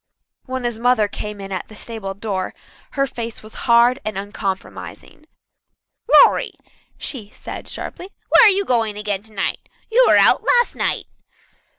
When his mother came in at the stable door her face was hard and uncompromising. "Lawrie," she said sharply, "where are you going again tonight? You were out last night."